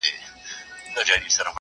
هغه له پاڼو تشه توره ونه!!